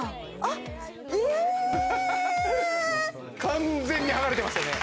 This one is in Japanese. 完全にはがれてますよね